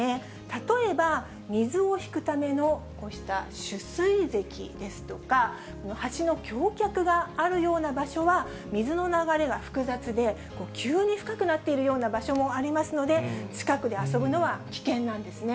例えば水を引くためのこうした取水ぜきですとか、橋の橋脚があるような場所は、水の流れが複雑で、急に深くなっているような場所もありますので、近くで遊ぶのは危険なんですね。